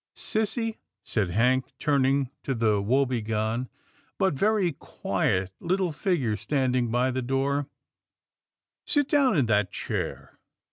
" Sissy," said Hank, turning to the woebegone, but very quiet little figure standing by the door, " sit down in that chair."